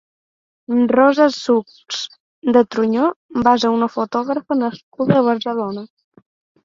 Rosa Szücs de Truñó va ser una fotògrafa nascuda a Barcelona.